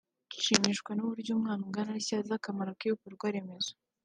nshimishwa n’uburyo umwana ungana atya azi akamaro k’ibikorwa remezo